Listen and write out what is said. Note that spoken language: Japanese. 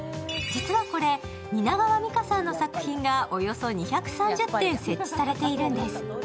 実はこれ蜷川実花さんの作品がおよそ２３０点、設置されているんです。